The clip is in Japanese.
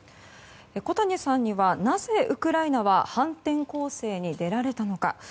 小谷さんにはなぜウクライナは反転攻勢に出られたのか。